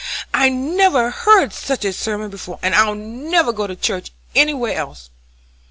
I never heard such a sermon before, and I'll never go to church anywhere else."